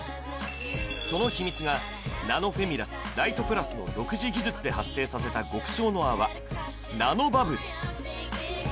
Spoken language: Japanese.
その秘密がナノフェミラス・ライトプラスの独自技術で発生させた極小の泡ナノバブル